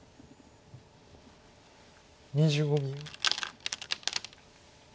２５秒。